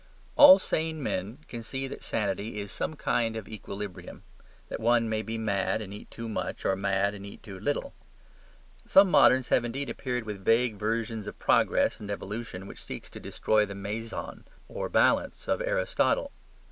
All sane men can see that sanity is some kind of equilibrium; that one may be mad and eat too much, or mad and eat too little. Some moderns have indeed appeared with vague versions of progress and evolution which seeks to destroy the MESON or balance of Aristotle.